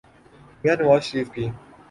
میاں نواز شریف کی۔